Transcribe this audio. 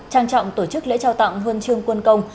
trang trọng tổ chức lễ trao tặng huân chương quân công